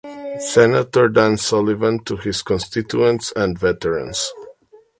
Senator Dan Sullivan to his constituents and veterans.